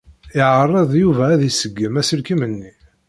Yeɛreḍ Yuba ad iṣeggem aselkim-nni.